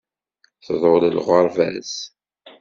Tḍul lɣerba-s.